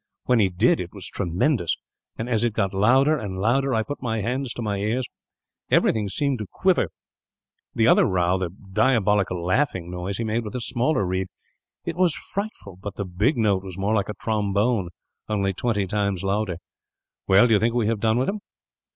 When he did, it was tremendous and, as it got louder and louder, I put my hands to my ears. Everything seemed to quiver. The other row that diabolical laughing noise he made with a smaller one. It was frightful; but the big note was more like a trombone, only twenty times louder. "Well, do you think that we have done with them?"